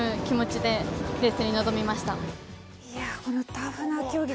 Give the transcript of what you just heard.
タフな競技。